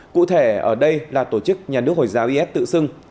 cụ thể ở đây là tổ chức nhà nước hồi giáo is tự xưng